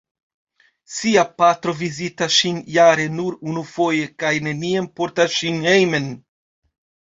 Sia patro vizitas ŝin jare nur unufoje, kaj neniam portas ŝin hejmen.